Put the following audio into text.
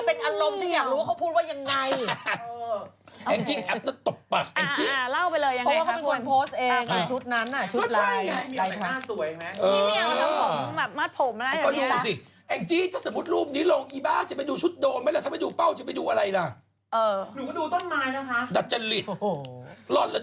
เป็นอารมณ์ฉันอยากรู้ว่าเขาพูดว่ายังไง